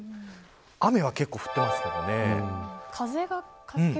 雨は結構降っていますよね。